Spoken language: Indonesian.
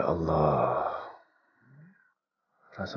aku mandi dulu ya